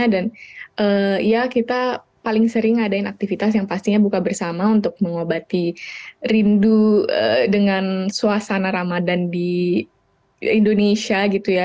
dan ya kita paling sering ngadain aktivitas yang pastinya buka bersama untuk mengobati rindu dengan suasana ramadhan di indonesia gitu ya